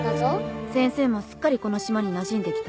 先生もすっかりこの島になじんできたわね。